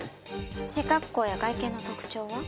背格好や外見の特徴は？